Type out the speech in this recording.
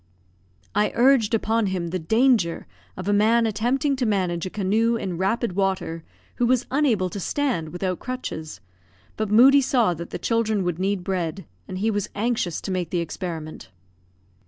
I urged upon him the danger of a man attempting to manage a canoe in rapid water, who was unable to stand without crutches; but Moodie saw that the children would need bread, and he was anxious to make the experiment.